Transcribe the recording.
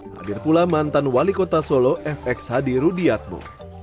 hadir pula mantan wali kota solo fx hadirudiatmu